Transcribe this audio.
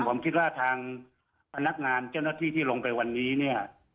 ผมคิดว่าทางพนักงานเจ้าหน้าที่ที่ลงไปวันนี้เนี่ย